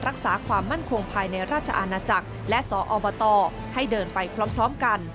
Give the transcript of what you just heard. รักษาความมั่นคงภายในราชอาณาจักรและสอบตให้เดินไปพร้อมกัน